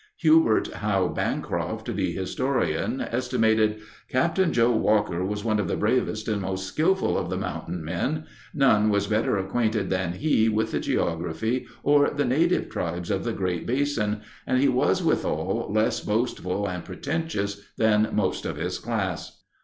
Hubert Howe Bancroft, the historian, estimated, "Captain Joe Walker was one of the bravest and most skillful of the mountain men; none was better acquainted than he with the geography or the native tribes of the Great Basin; and he was withal less boastful and pretentious than most of his class."